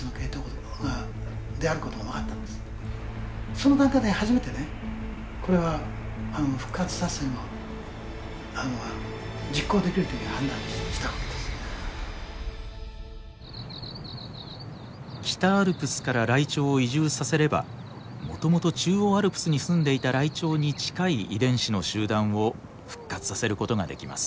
その段階ではじめてねこれは北アルプスからライチョウを移住させればもともと中央アルプスにすんでいたライチョウに近い遺伝子の集団を復活させることができます。